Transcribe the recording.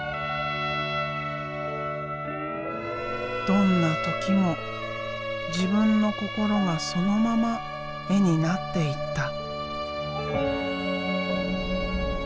どんな時も自分の心がそのまま絵になっていった。